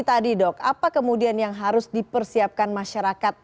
jadi tadi dok apa kemudian yang harus dipersiapkan masyarakat